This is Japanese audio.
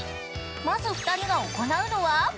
まず２人が行うのは？